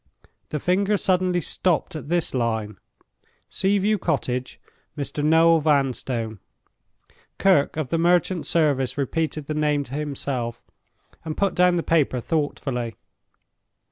The finger suddenly stopped at this line: "Sea view Cottage; Mr. Noel Vanstone." Kirke of the merchant service repeated the name to himself, and put down the paper thoughtfully.